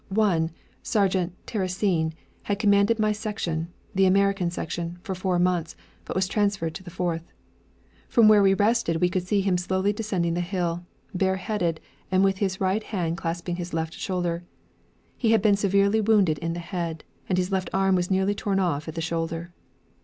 One, Sergeant Terisien, had commanded my section, the 'American Section,' for four months, but was transferred to the fourth. From where we rested we could see him slowly descending the hill, bareheaded and with his right hand clasping his left shoulder. He had been severely wounded in the head, and his left arm was nearly torn off at the shoulder.